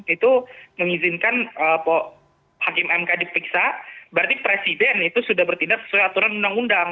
itu mengizinkan hakim mk dipiksa berarti presiden itu sudah bertindak sesuai aturan undang undang